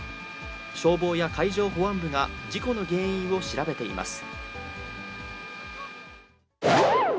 消防や海上保安部が事故の原因を調べています。